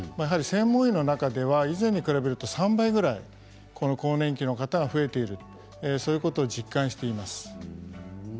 専門医の中では以前に比べて３倍くらいこの更年期の方が増えているそういうことを実感しています。